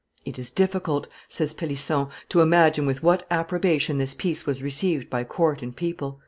"It is difficult," says Pellisson, "to imagine with what approbation this piece was received by court and people."